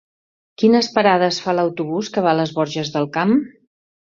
Quines parades fa l'autobús que va a les Borges del Camp?